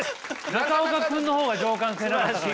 中岡君の方が情感性なかったから今。